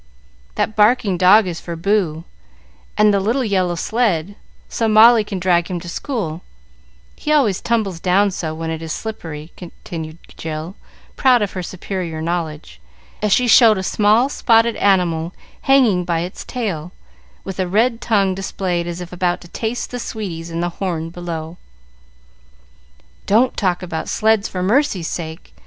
"That barking dog is for Boo, and the little yellow sled, so Molly can drag him to school, he always tumbles down so when it is slippery," continued Jill, proud of her superior knowledge, as she showed a small spotted animal hanging by its tail, with a red tongue displayed as if about to taste the sweeties in the horn below. "Don't talk about sleds, for mercy's sake!